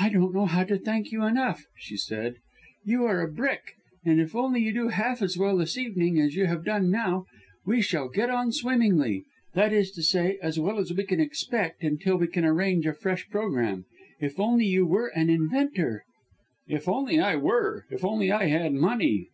"I don't know how to thank you enough," she said. "You are a brick, and if only you do half as well this evening as you have done now, we shall get on swimmingly that is to say, as well as we can expect, until we can arrange a fresh programme. If only you were an inventor!" "If only I were. If only I had money!"